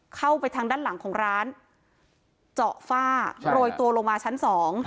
เข้าไปทางด้านหลังของร้านเจาะฝ้าโรยตัวลงมาชั้นสอง